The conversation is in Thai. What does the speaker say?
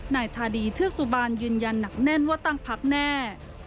นายธาดีเทือกสุบันยืนยันหนักแน่นว่าตั้งพักแน่